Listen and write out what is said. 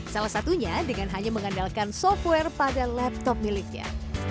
salah satunya dengan hanya mengandalkan software pada laptop miliknya